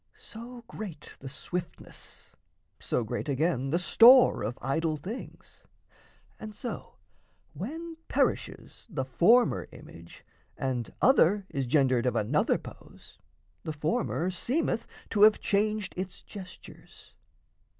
So great the swiftness, So great, again, the store of idol things, And so, when perishes the former image, And other is gendered of another pose, The former seemeth to have changed its gestures.